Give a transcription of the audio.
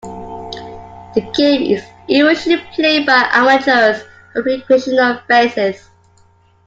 The game is usually played by amateurs on a recreational basis.